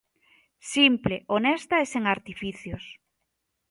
Simple, honesta e sen artificios.